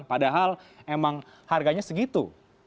padahal emang harganya segitu